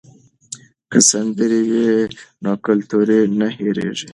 که سندرې وي نو کلتور نه هېریږي.